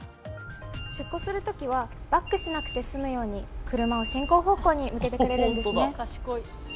出庫する時はバックしなくて済むように、車を進行方向に向けているんですね。